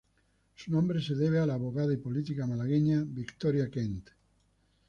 Su nombre se debe a la abogada y política malagueña Victoria Kent.